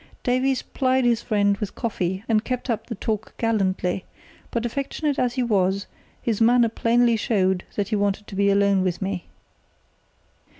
Davies plied his friend with coffee, and kept up the talk gallantly; but affectionate as he was, his manner plainly showed that he wanted to be alone with me.